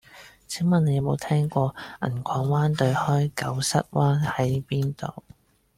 請問你有無聽過銀礦灣對開狗虱灣喺邊度